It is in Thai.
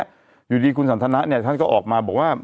อยู่ดีคุณสันทนะเนี่ยท่านก็ออกมาบอกว่า